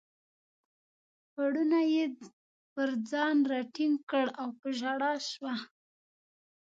پوړنی یې پر ځان راټینګ کړ او په ژړا شوه.